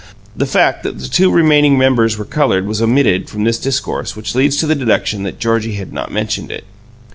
The fact that the two remaining members were coloured was omitted from this discourse which leads to the deduction that Georgie had not mentioned it.